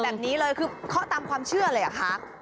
ก็เคาะกันไปแบบนี้เลยเคาะตามความเชื่อเลยเหรอคะ